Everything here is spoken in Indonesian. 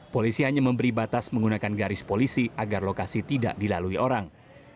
polisi hanya memberi batas menggunakan garis polisi agar lokasi tidak dilalui orang